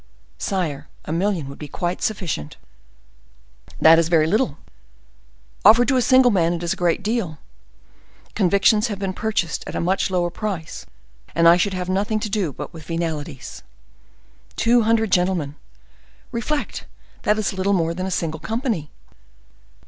"Sire, a million would be quite sufficient." "That is very little." "Offered to a single man it is a great deal. Convictions have been purchased at a much lower price; and I should have nothing to do but with venalities." "Two hundred gentlemen! Reflect!—that is little more than a single company."